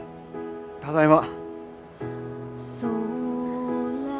ただいま。